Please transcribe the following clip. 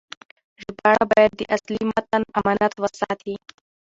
ژباړه باید د اصلي متن امانت وساتي.